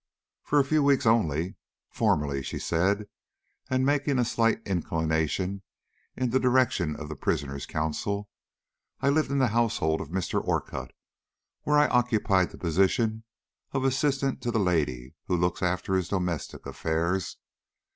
"For a few weeks only. Formerly," she said, making a slight inclination in the direction of the prisoner's counsel, "I lived in the household of Mr. Orcutt, where I occupied the position of assistant to the lady who looks after his domestic affairs."